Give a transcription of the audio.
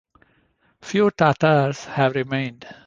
Few Tatars have remained.